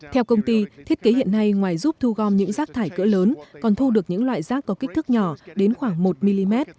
theo công ty thiết kế hiện nay ngoài giúp thu gom những rác thải cỡ lớn còn thu được những loại rác có kích thước nhỏ đến khoảng một mm